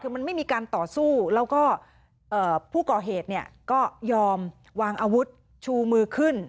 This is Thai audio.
คือมันไม่มีการต่อสู้แล้วก็ผู้ก่อเหตุเนี่ยก็ยอมวางอาวุธชูมือขึ้น